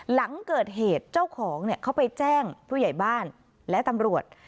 หลังเกิดเหตุเจ้าของเนี่ยเขาไปแจ้งผู้ใหญ่บ้านและตำรวจ